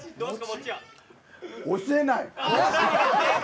教えない！